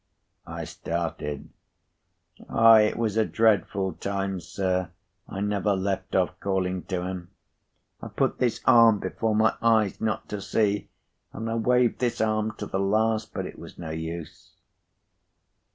I started. "Ah! it was a dreadful time, sir. I never left off calling to him. I put this arm before my eyes, not to see, and I waved this arm to the last; but it was no use."